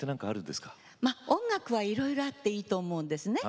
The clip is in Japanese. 音楽はいろいろあっていいと思うんですね。